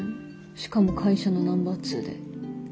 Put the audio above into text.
しかも会社のナンバー２で。